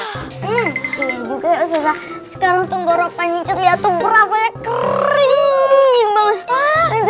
iya juga ya ustazah sekarang tuh ngorok pancingnya tuh berapanya kering banget